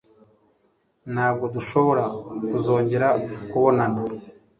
Ntabwo dushobora kuzongera kubonana.